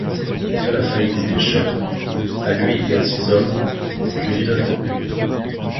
Cela faillit coûter cher, à lui et à ses hommes, plus d'une fois.